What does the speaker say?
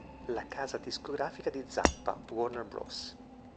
La casa discografica di Zappa, Warner Bros.